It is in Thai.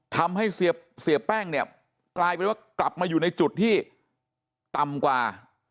ทำให้เสียแป้งเนี่ยกลายเป็นว่ากลับมาอยู่ในจุดที่ต่ำกว่า